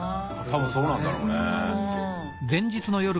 多分そうなんだろうね。